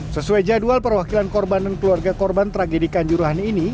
sesuai jadwal perwakilan korban dan keluarga korban tragedi kanjuruhan ini